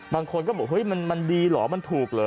บางคนก็บอกเฮ้ยมันดีเหรอมันถูกเหรอ